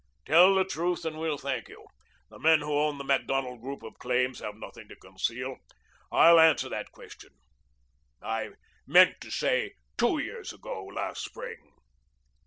Tell the truth, and we'll thank you. The men who own the Macdonald group of claims have nothing to conceal. I'll answer that question. I meant to say two years ago last spring."